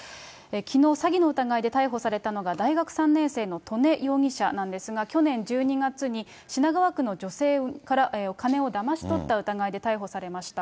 きのう、詐欺の疑いで逮捕されたのが大学３年生の刀禰容疑者なんですが、去年１２月に品川区の女性から金をだまし取った疑いで逮捕されました。